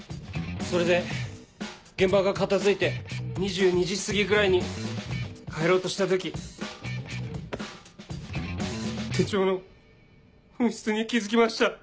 それで現場が片付いて２２時過ぎぐらいに帰ろうとした時手帳の紛失に気付きました。